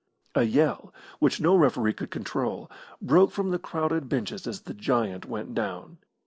A yell, which no referee could control, broke from the crowded benches as the giant went down.